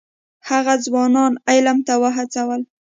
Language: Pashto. هغه ځوانان علم ته وهڅول.